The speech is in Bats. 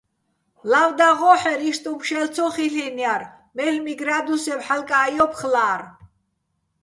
ლავ დაღო́ჰ̦ერ, იშტუჼ ფშელ ცო ხილ'ეჼჲარ, მელ'მი გრა́დუსევ ჰ̦ალკა́ჸ ჲოფხლა́რ.